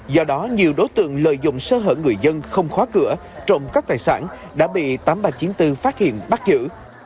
do đó nhiều đối tượng lợi dụng sơ hở người dân không khóa cửa trộm cắp tài sản đã bị tám nghìn ba trăm chín mươi bốn phát hiện bắt giữ